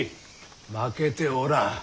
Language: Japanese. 負けておらん。